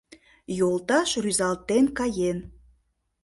Йолташ рӱзалтен каен.